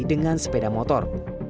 dengan sepeda motor